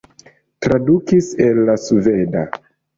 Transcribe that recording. Tradukis el la sveda.